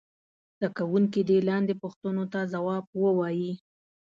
زده کوونکي دې لاندې پوښتنو ته ځواب ووايي.